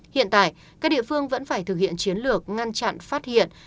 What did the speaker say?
hiện tại các địa phương vẫn phải thực hiện chiến lược ngăn chặn phát hiện